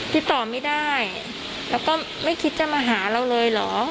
ติดต่อไม่ได้แล้วก็ไม่คิดจะมาหาเราเลยเหรอ